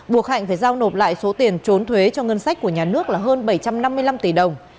buộc hạnh phải giao nộp lại số tiền trốn thuế cho ngân sách của nhà nước là hơn bảy trăm năm mươi năm tỷ đồng